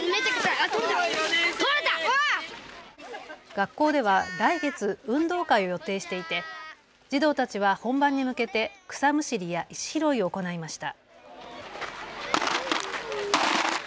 学校では来月、運動会を予定していて児童たちは本番に向けて草むしりや石拾いを行いました。